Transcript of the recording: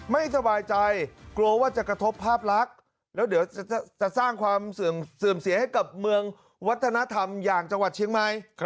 ไม่สบายใจกลัวว่าจะกระทบภาพลักษณ์แล้วเดี๋ยวจะสร้างความเสื่อมเสียให้กับเมืองวัฒนธรรมอย่างจังหวัดเชียงใหม่